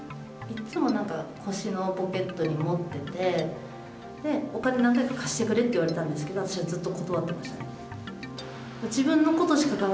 いっつも、なんか腰のポケットに持ってて、で、お金何回か貸してくれって言われたんですけど、私はずっと断ってました。